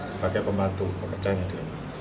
sebagai pembantu pekerjaan ini